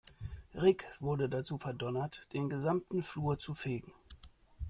Rick wurde dazu verdonnert, den gesamten Flur zu fegen.